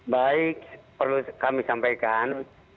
baik perlu kami sampaikan